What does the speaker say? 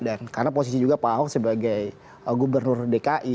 dan karena posisi juga pak aung sebagai gubernur dki